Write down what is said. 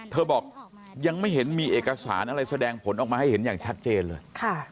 บอกยังไม่เห็นมีเอกสารอะไรแสดงผลออกมาให้เห็นอย่างชัดเจนเลย